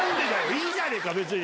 ⁉いいじゃねえか別に。